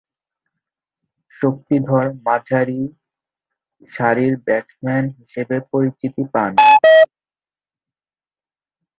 শক্তিধর মাঝারিসারির ব্যাটসম্যান হিসেবে পরিচিতি পান।